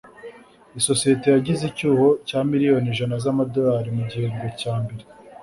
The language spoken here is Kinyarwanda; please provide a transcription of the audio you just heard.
isosiyete yagize icyuho cya miliyoni ijana z'amadolari mu gihembwe cya mbere